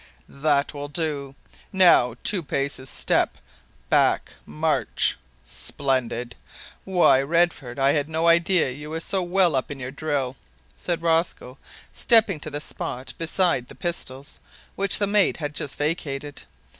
"That will do. Now, two paces step back, march! Splendid. Why, Redford, I had no idea you were so well up in your drill," said Rosco, stepping to the spot beside the pistols, which the mate had just vacated.